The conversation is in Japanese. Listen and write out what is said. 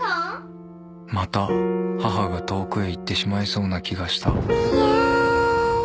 また母が遠くへ行ってしまいそうな気がした